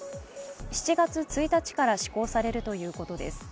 ７月１日から施行されるということです。